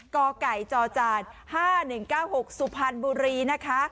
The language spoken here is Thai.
กไก่จจ๕๑๙๖สุพรรณบุรีนะคะ